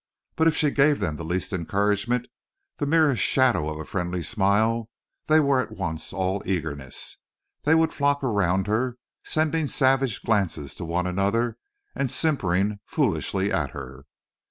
But if she gave them the least encouragement, the merest shadow of a friendly smile, they were at once all eagerness. They would flock around her, sending savage glances to one another, and simpering foolishly at her.